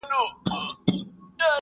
آیا سوله تر جګړې غوره ده؟